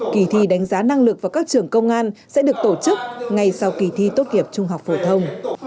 kỳ thi đánh giá năng lực và các trưởng công an sẽ được tổ chức ngay sau kỳ thi tốt hiệp trung học phổ thông